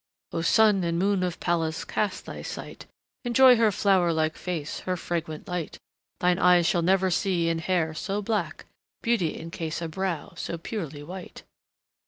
"'On Sun and Moon of Palace cast thy sight, Enjoy her flower like face, her fragrant light, Thine eyes shall never see in hair so black Beauty encase a brow so purely white.'"